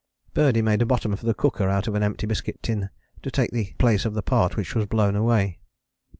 Birdie made a bottom for the cooker out of an empty biscuit tin to take the place of the part which was blown away.